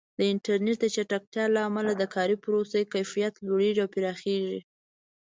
د انټرنیټ د چټکتیا له امله د کاري پروسو کیفیت لوړېږي او پراخېږي.